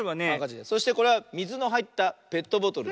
そしてこれはみずのはいったペットボトル。